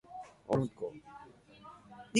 I've got a lot more to do now.